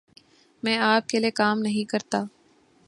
میں آپ کے لئے کام نہیں کرتا۔